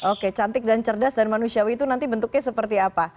oke cantik dan cerdas dan manusiawi itu nanti bentuknya seperti apa